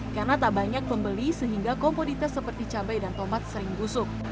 karena tak banyak pembeli sehingga komponitas seperti cabai dan tomat sering busuk